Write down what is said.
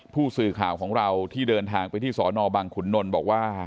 ผู้สื่อข่าวของเราที่เดินทางไปที่สอนอบังขุนนลบอกว่า